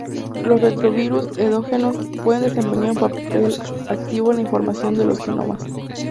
Los retrovirus endógenos pueden desempeñar un papel activo en la formación de los genomas.